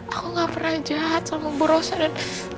aku gak pernah jahat sama bu rossa dan